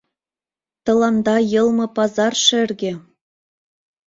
Тыланда йылме пазар шерге...